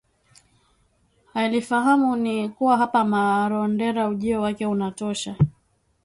hailifahamu ni kuwa hapa Marondera ujio wake unatosha